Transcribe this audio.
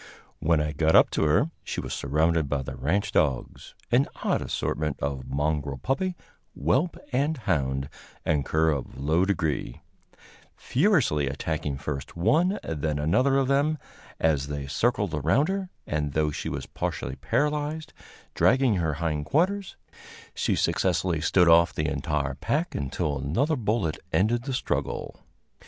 When I got up to her, she was surrounded by the ranch dogs an odd assortment of "mongrel puppy, whelp and hound, and cur of low degree" furiously attacking first one, then another of them as they circled around her; and, though she was partially paralyzed, dragging her hind quarters, she successfully stood off the entire pack until another bullet ended the struggle.